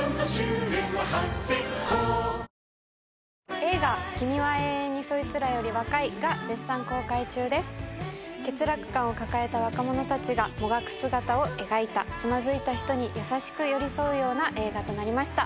映画「君は永遠にそいつらより若い」が絶賛公開中です欠落感を抱えた若者達がもがく姿を描いたつまずいた人に優しく寄り添うような映画となりました